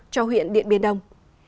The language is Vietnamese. cho huyện điện biên đông